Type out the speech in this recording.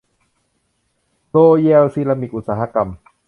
โรแยล ซีรามิค อุตสาหกรรม